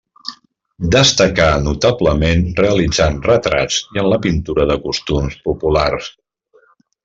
Destacà notablement realitzant retrats i en la pintura de costums populars.